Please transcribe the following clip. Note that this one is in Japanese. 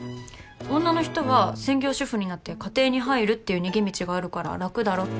女の人は専業主婦になって家庭に入るっていう逃げ道があるから楽だろって。